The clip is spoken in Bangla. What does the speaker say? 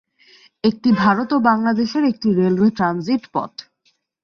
এটি ভারত ও বাংলাদেশের একটি রেলওয়ে ট্রানজিট পথ।